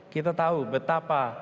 kita tahu betapa